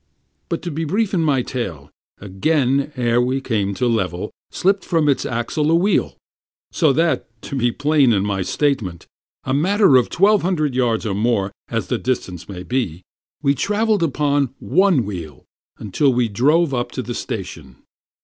But to be brief in my tale. Again, ere we came to the level, Slipped from its axle a wheel; so that, to be plain in my statement, A matter of twelve hundred yards or more, as the distance may be, We travelled upon one wheel, until we drove up to the station.